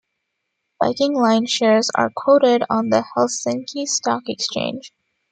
Viking Line shares are quoted on the Helsinki Stock Exchange.